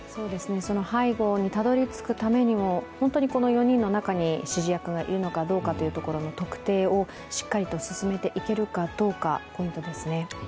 背後にたどり着くためにも本当にこの４人の中に指示役がいるのかどうかというところの特定をしっかり進めていけるかどうか、ポイントですね。